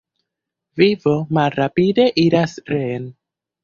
Vivo malrapide iras reen.